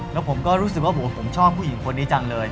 แล้วผมก็รู้สึกว่าผมชอบผู้หญิงคนนี้จังเลย